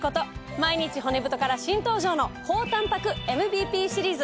毎日骨太から新登場の高たんぱくＭＢＰシリーズ。